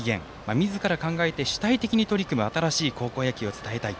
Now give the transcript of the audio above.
みずから考えて主体的にやる高校野球を伝えたい